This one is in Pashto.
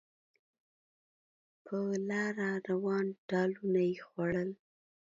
په لاره روان ټالونه یې خوړل